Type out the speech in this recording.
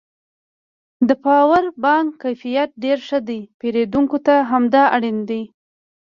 د پاور بانک کیفیت ډېر ښه دی پېرودونکو ته همدا اړین دی